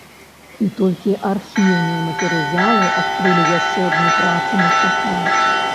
І толькі архіўныя матэрыялы адкрылі яшчэ адну працу мастака.